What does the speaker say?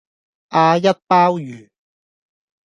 阿一鮑魚